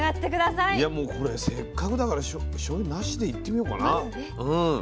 いやもうこれせっかくだからしょうゆなしでいってみようかな。